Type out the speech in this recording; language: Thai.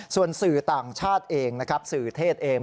ส่วนสื่อต่างชาติเองสื่อเทศเอง